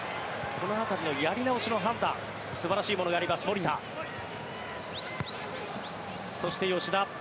この辺りのやり直しの判断素晴らしいものがあります守田。